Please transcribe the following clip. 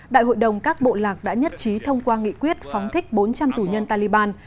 đại hội đồng các bộ lạc đã nhất trí thông qua nghị quyết phóng thích bốn trăm linh tù nhân taliban